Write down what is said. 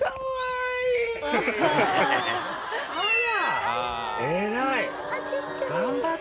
あら。